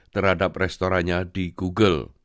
terhadap restorannya di google